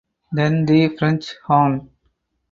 Then the French horn.